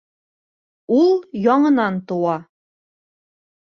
Ул яңынан тыуа.